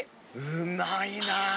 うまいな。